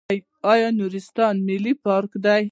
آیا نورستان ملي پارک دی؟